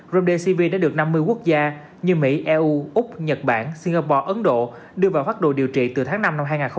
romdesv đã được năm mươi quốc gia như mỹ eu úc nhật bản singapore ấn độ đưa vào phát đồ điều trị từ tháng năm năm hai nghìn hai mươi